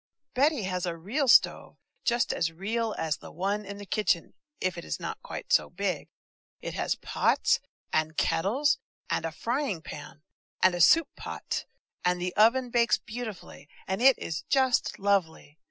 BETTY has a real stove, just as real as the one in the kitchen, if it is not quite so big. It has pots and kettles and a frying pan, and a soup pot, and the oven bakes beautifully, and it is just lovely!